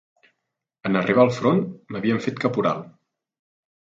En arribar al front, m'havien fet caporal